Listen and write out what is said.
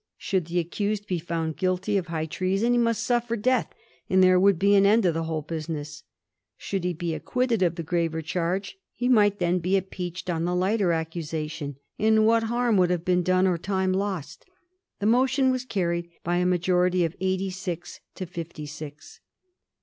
Should the accused be foimd guilty of high treason he must suffer death, and there would be an end of the whole business. Should he be acquitted of the graver charge, he might then be impeached on the lighter accusation ; and what harm would have been done or time lost ? The motion was carried by a majority of eighty eight to fifty six.